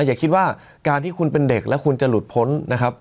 อย่าคิดว่าการที่คุณเป็นเด็กแล้วคุณจะหลุดพ้นนะครับ